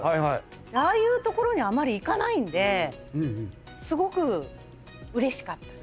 ああいう所にあまり行かないんですごくうれしかったです。